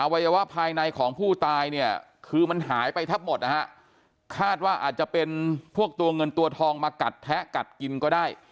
วัยวะภายในของผู้ตายเนี่ยคือมันหายไปแทบหมดนะฮะคาดว่าอาจจะเป็นพวกตัวเงินตัวทองมากัดแทะกัดกินก็ได้